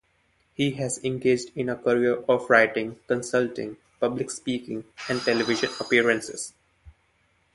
He has engaged in a career of writing, consulting, public speaking, and television appearances.